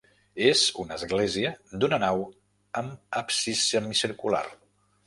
És una església d'una nau amb absis semicircular.